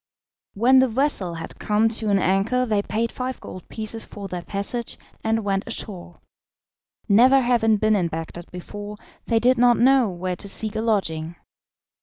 When the vessel had come to an anchor they paid five gold pieces for their passage and went ashore. Never having been in Bagdad before, they did not know where to seek a lodging.